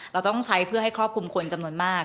เราต้องใช้เพื่อให้ครอบคลุมคนจำนวนมาก